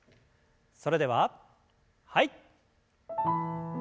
それでははい。